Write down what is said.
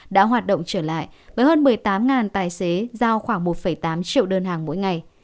đã hoạt động trở lại với hơn một mươi tám tài xế giao khoảng một tám triệu đơn hàng mỗi ngày